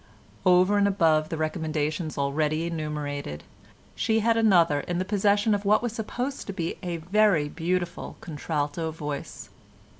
Over and above the recommendations already enumerated, she had another in the possession of what was supposed to be a very beautiful contralto voice.